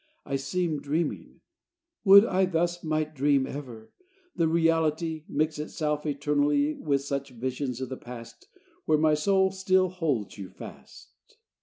I seem Dreaming.... Would I thus might dream Ever! and reality Mix itself eternally With such visions of the past, Where my soul still holds you fast!